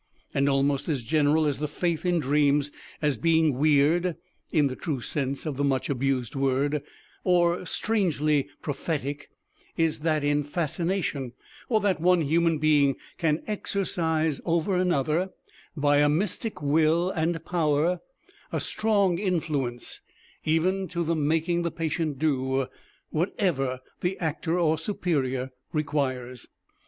And almost as general as the faith in dreams as being weird (in the true sense of the much abused word) or "strangely prophetic," is that in fascination, or that one human being can exercise over another by a mystic will and power a strong influence, even to the making the patient do whatever the actor or superior requires.